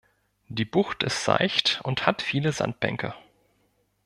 Die Bucht ist seicht und hat viele Sandbänke.